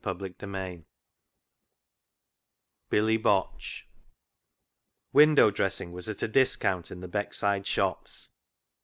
Billy Botch 29 Billy Botch Window dressing was at a discount in the Beckside shops.